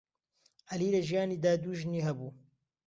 عەلی لە ژیانیدا دوو ژنی هەبوو.